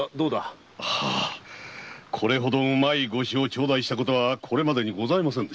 これほどうまい御酒を頂戴したことは今までございません。